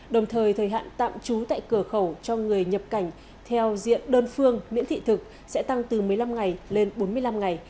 đồng thời thời hạn tạm trú tại cửa khẩu cho người nhập cảnh theo diện đơn phương miễn thị thực sẽ tăng từ một mươi năm ngày lên bốn mươi năm ngày